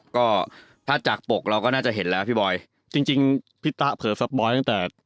ก็ถ้าจากปกเราก็น่าจะเห็นแล้วพี่บอยจริงจริงพี่ตะเผลอสบอยตั้งแต่